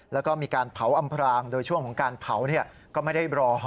แล้วก็มีการเผาอำพรางโดยช่วงของการเผาก็ไม่ได้รอ